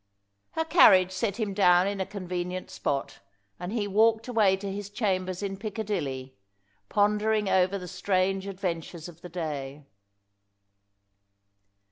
Her carriage set him down in a convenient spot, and he walked away to his chambers in Piccadilly, pondering over the strange adventures of the day.